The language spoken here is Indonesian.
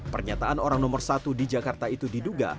pernyataan orang nomor satu di jakarta itu diduga